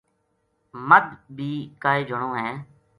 مَدھ بی کائے جنو ہے